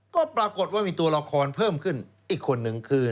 ก็ปรากฏว่ามีตัวละครเพิ่มขึ้นอีกคนนึงคือ